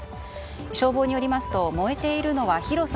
消防によりますと燃えているのは広さ